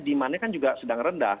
demandnya kan juga sedang rendah